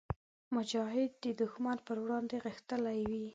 مجاهد د ښمن پر وړاندې غښتلی وي.